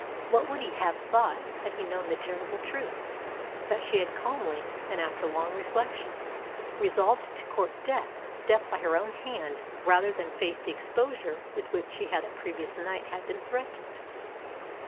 What would he have thought had he known the terrible truth: that she had calmly, and after long reflection, resolved to court death death by her own hand rather than face the exposure with which she had that previous night been threatened.